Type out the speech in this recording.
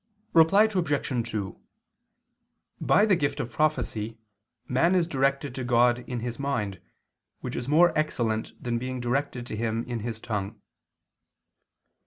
Reply Obj. 2: By the gift of prophecy man is directed to God in his mind, which is more excellent than being directed to Him in his tongue.